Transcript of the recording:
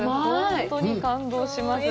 本当に感動します。